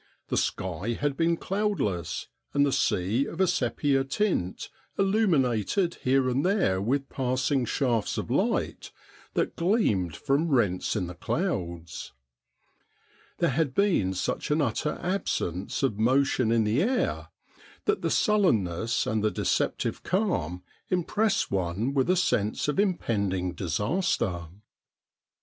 The sky had been cloudless, and the sea of a sepia tint, illuminated here and there with passing shafts of light that gleamed from rents in the clouds. There had been such an utter absence of motion in the air that the sullenness and the deceptive calm impressed one with a sense of impending disaster.